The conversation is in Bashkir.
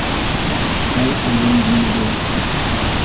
— Ул уйын бүлде.